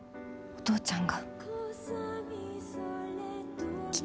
お父ちゃん！